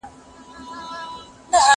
زه به سبا زدکړه وکړم!؟